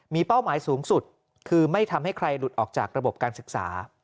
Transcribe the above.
มีเป้าหมายสูงสุดคือไม่ทำให้ใครหลุดออกจากระบบการศึกษา